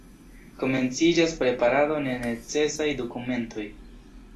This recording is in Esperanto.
Komenciĝas preparado de necesaj dokumentoj.